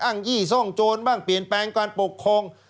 ยี่ซ่องโจรบ้างเปลี่ยนแปลงการปกครอง